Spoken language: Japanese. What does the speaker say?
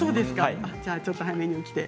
じゃあちょっと早めに起きて。